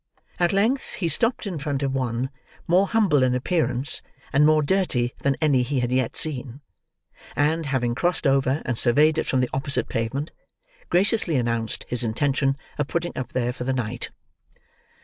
At length, he stopped in front of one, more humble in appearance and more dirty than any he had yet seen; and, having crossed over and surveyed it from the opposite pavement, graciously announced his intention of putting up there, for the night.